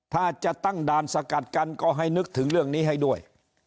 ถ้าจะตั้งด่านสกัดกันก็ให้นึกถึงเรื่องนี้ให้ด้วย